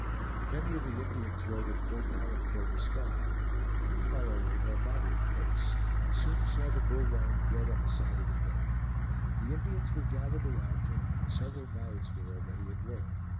Many of the Indians rode at full gallop toward the spot. We followed at a more moderate pace, and soon saw the bull lying dead on the side of the hill. The Indians were gathered around him, and several knives were already at work.